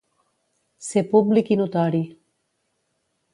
Ser públic i notori.